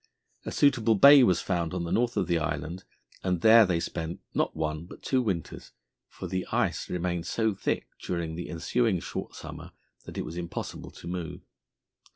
A suitable bay was found on the north of the island, and there they spent, not one, but two winters, for the ice remained so thick during the ensuing short summer that it was impossible to move.